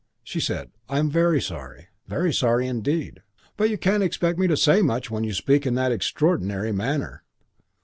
She said, "I'm very sorry. Very sorry indeed. But you can't expect me to say much when you speak in that extraordinary manner."